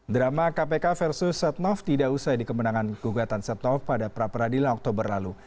drama kpk versus setnov tidak usai dikemenangan gugatan setnov pada praperadilan oktober lalu